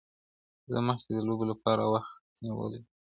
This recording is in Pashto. زه مخکي د لوبو لپاره وخت نيولی وو!.